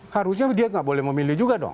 harusnya dia nggak boleh memilih juga dong